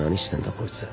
こいつ。